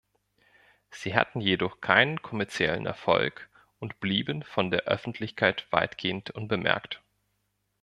Sie hatten jedoch keinen kommerziellen Erfolg und blieben von der Öffentlichkeit weitgehend unbemerkt.